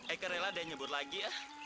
aku rela deh nyebut lagi